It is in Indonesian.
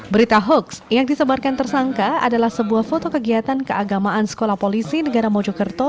berita hoax yang disebarkan tersangka adalah sebuah foto kegiatan keagamaan sekolah polisi negara mojokerto